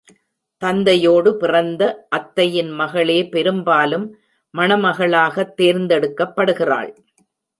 தந்தையோடு பிறந்த அத்தையின் மகளே பெரும்பாலும் மணமகளாகத் தேர்ந்தெடுக்கப்படுகிறாள்.